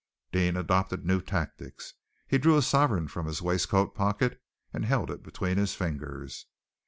Deane adopted new tactics. He drew a sovereign from his waistcoat pocket, and held it between his fingers.